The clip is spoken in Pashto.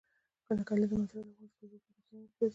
د کلیزو منظره د افغان کلتور په داستانونو کې راځي.